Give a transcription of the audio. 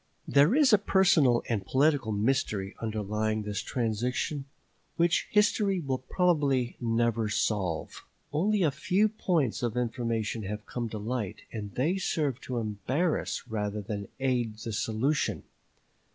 There is a personal and political mystery underlying this transaction which history will probably never solve. Only a few points of information have come to light, and they serve to embarrass rather than aid the solution.